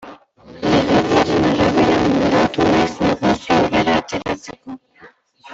Legediaren arabera moldatu naiz negozioa aurrera ateratzeko.